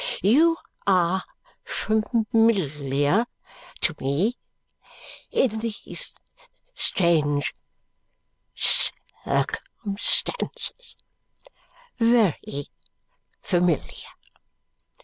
You are familiar to me in these strange circumstances, very familiar."